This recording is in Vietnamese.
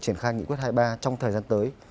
triển khai nghị quyết hai mươi ba trong thời gian tới